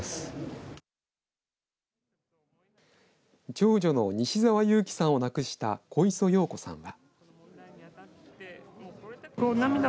長女の西澤友紀さんを亡くした小磯洋子さんは。